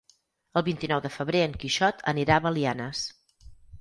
El vint-i-nou de febrer en Quixot anirà a Belianes.